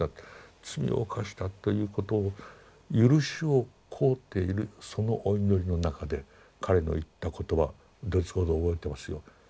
罪を犯したということを許しを乞うているそのお祈りの中で彼の言った言葉ドイツ語で覚えてますよ。